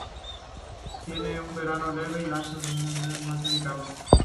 Tienen un veneno leve y lanzan unos molestos pelos urticantes.